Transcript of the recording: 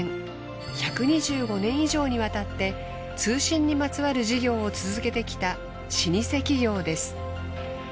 １２５年以上にわたって通信にまつわる事業を続けてきた老舗企業です。